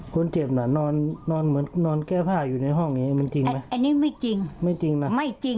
ครับปุ๊บเอากันเลยต้องฟังสิ